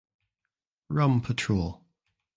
Rum Patrol